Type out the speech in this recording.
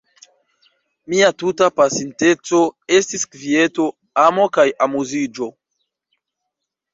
Mia tuta pasinteco estis kvieto, amo kaj amuziĝo.